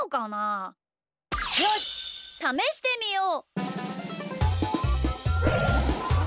よしためしてみよう！